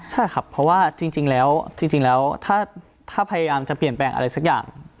ใช่ครับเพราะว่าจริงแล้วจริงแล้วถ้าพยายามจะเปลี่ยนแปลงอะไรสักอย่าง